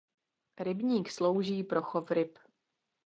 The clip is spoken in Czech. Rybník slouží pro chov ryb.